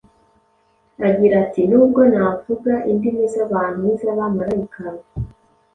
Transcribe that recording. agira ati: “nubwo navuga indimi z’abantu n’iz’abamarayika,